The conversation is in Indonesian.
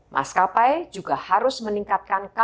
mas kapai juga harus meningkatkan kapasitas